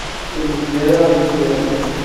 Ur yezmir ara ad ten-yernu.